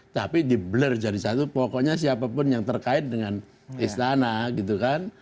tapi di bler jadi satu pokoknya siapapun yang terkait dengan istana gitu kan